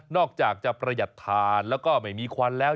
อกจากจะประหยัดทานแล้วก็ไม่มีควันแล้ว